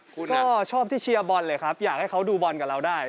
คุณก็ชอบที่เชียร์บอลเลยครับอยากให้เขาดูบอลกับเราได้